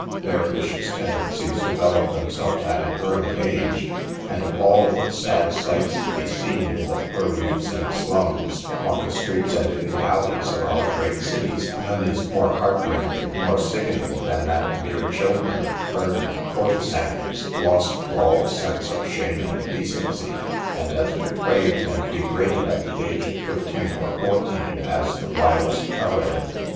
Their vicious tendencies devel op themselves at an early age, and of all the sad sights to be seen in the purlieus and slums, on the streets and in the alleys, of our great cities, none is more heartrending, more sicken ing, than that of mere children, hardened courtesans, lost to all sense of shame and decency, and as depraved and degraded at the age of thirteen or fourteen as the vilest harri dan.